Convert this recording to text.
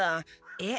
えっ？